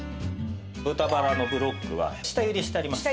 豚バラのブロックは下ゆでしてあります。